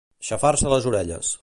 Xafar-se les orelles.